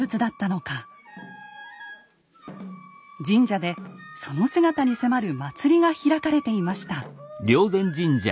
神社でその姿に迫る祭りが開かれていました。